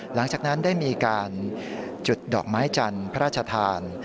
หลังจากนั้นได้มีการจุดดอกไม้จันทร์พระราชทาน